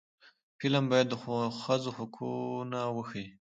فلم باید د ښځو حقونه وښيي